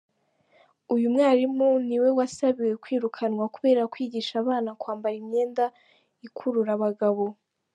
Uyu mwarimu niwe wasabiwe kwirukanwa kubera kwigisha abana kwambara imyenda ikurura abagabo.